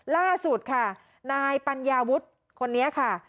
ล่าสุดค่ะนายปัญญาวุฒิคนนี้ค่ะ